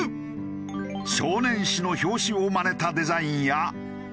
少年誌の表紙をまねたデザインや。